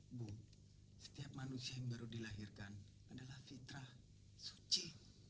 ibu setiap manusia yang baru dilahirkan adalah fitrah suci